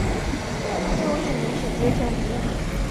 旧艺名是结城比吕。